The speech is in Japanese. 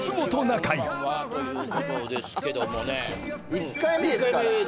１回目ですから。